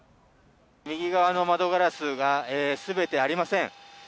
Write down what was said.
右側の窓ガラスがすべてありません。